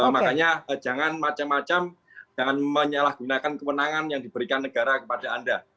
makanya jangan macam macam jangan menyalahgunakan kewenangan yang diberikan negara kepada anda